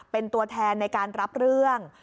เป็นตัวแทนในการรับเรื่อง